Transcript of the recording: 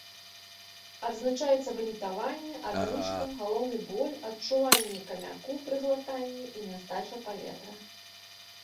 Адзначаецца ванітаванне, адрыжка, галаўны боль, адчуванне камяку пры глытанні і нястача паветра.